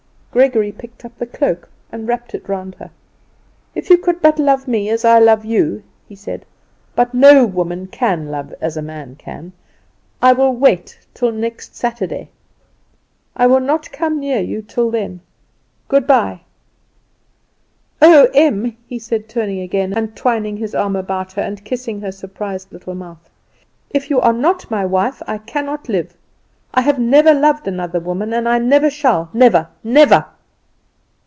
Gregory picked up the cloak and wrapped it round her. "If you could but love me as I love you," he said; "but no woman can love as a man can. I will wait till Saturday. I will not once come near you till then. Good bye! Oh, Em," he said, turning again, and twining his arm about her, and kissing her surprised little mouth, "if you are not my wife I cannot live. I have never loved another woman, and I never shall! never, never!"